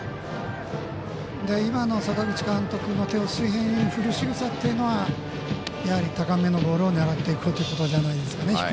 今の阪口監督の手を水平に振るしぐさというのは高めのボールを狙っていくということじゃないですかね。